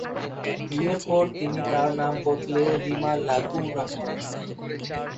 বিয়ের পর তিনি তার নাম বদলে রিমা লাগু রাখেন।